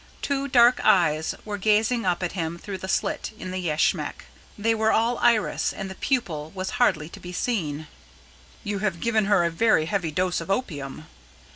Two dark eyes were gazing up at him through the slit in the yashmak. They were all iris, and the pupil was hardly to be seen. "You have given her a very heavy dose of opium."